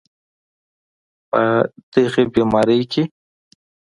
په دغې بیمارۍ کې